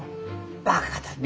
バカだね。